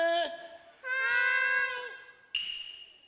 ・はい！